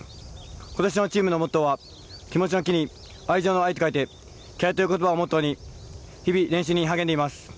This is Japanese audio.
今年のチームのモットーは気持ちの「気」に愛情の「愛」と書いて「気愛」という言葉をモットーに日々練習に励んでいます。